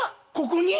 ここに？